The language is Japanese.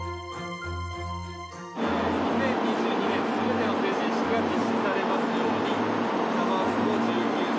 ２０２２年、すべての成人式が実施されますように。